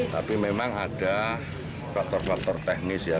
tapi memang ada faktor faktor teknis ya